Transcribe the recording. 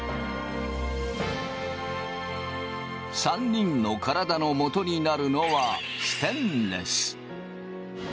３人の体のもとになるのはステンレス。